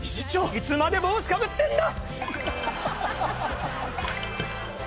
いつまで帽子かぶってんだ！